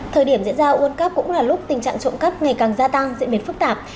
thời điểm diễn ra world cup cũng là lúc tình trạng trộm cắp ngày càng gia tăng diễn biến phức tạp